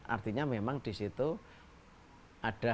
artinya memang di situ ada